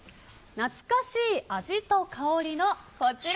懐かしい味と香りのこちら！